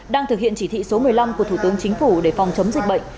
đang thực hiện chỉ thị số một mươi năm của thủ tướng chính phủ để phòng chống dịch bệnh